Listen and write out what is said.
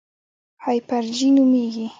هایپرجي نومېږي.